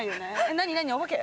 何何お化け？